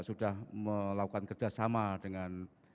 sudah melakukan kerjasama dengan